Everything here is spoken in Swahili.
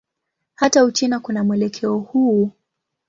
Hata Uchina kuna mwelekeo huu.